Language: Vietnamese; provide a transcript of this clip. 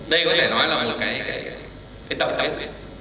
đây có thể nói là một cái cái tổng thống